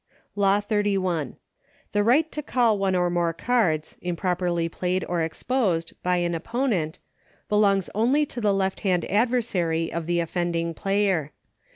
Law XXXI. The right to call one or more cards, im properly played or exposed, by an opponent, belongs only to the left hand adversary of the offending player.